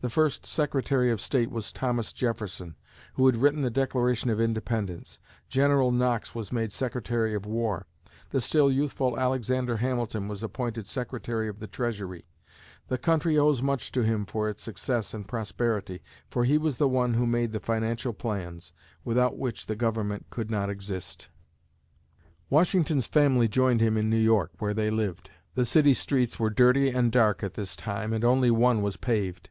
The first Secretary of State was Thomas Jefferson, who had written the Declaration of Independence. General Knox was made Secretary of War. The still youthful Alexander Hamilton was appointed Secretary of the Treasury; the country owes much to him for its success and prosperity, for he was the one who made the financial plans, without which the government could not exist. [Illustration: Federal Hall] Washington's family joined him in New York, where they lived. The city streets were dirty and dark at this time and only one was paved.